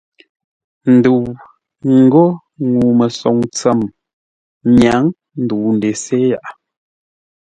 Ndou ńgó ŋuu-məsoŋ tsəm nyáŋ ndəu ndesé yaʼa.